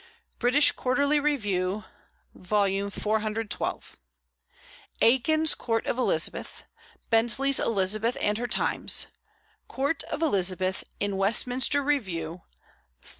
British Quarterly Review, v. 412; Aikin's Court of Elizabeth; Bentley's Elizabeth and her Times; "Court of Elizabeth," in Westminster Review, xxix.